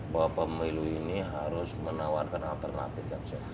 bahwa pemilu ini harus menawarkan alternatif